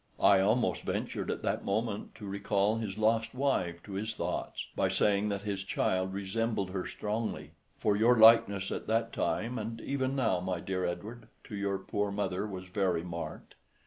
I almost ventured at that moment to recall his lost wife to his thoughts, by saying that his child resembled her strongly; for your likeness at that time, and even now, my dear Edward, to your poor mother was very marked.